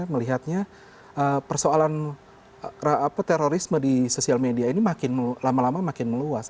melihatnya persoalan terorisme di sosial media ini makin lama lama makin meluas